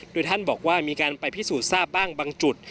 โดยท่านบอกว่ามีการไปพิสูจน์ทราบบ้างบางจุด